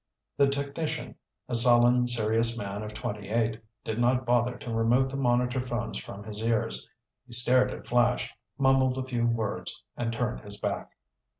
The technician, a sullen, serious man of twenty eight, did not bother to remove the monitor phones from his ears. He stared at Flash, mumbled a few words, and turned his back.